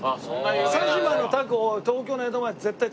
佐島のタコを東京の江戸前絶対使います。